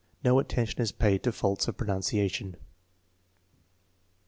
No attention is paid to faults of pronunciation.